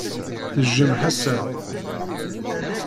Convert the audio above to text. Tejjem Ḥasan.